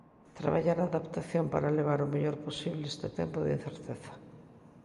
Traballar a adaptación para levar o mellor posible este tempo de incerteza.